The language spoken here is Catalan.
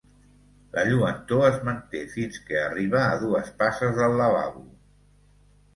La lluentor es manté fins que arriba a dues passes del lavabo.